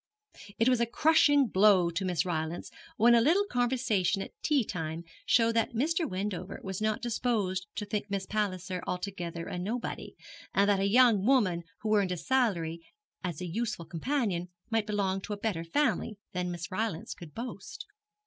It was a crushing blow to Miss Rylance when a little conversation at tea time showed that Mr. Wendover was not disposed to think Miss Palliser altogether a nobody, and that a young woman who earned a salary as a useful companion might belong to a better family than Miss Rylance could boast.